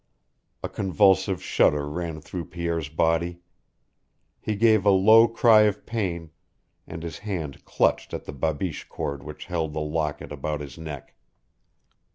A convulsive shudder ran through Pierre's body. He gave a low cry of pain, and his hand clutched at the babiche cord which held the locket about his neck.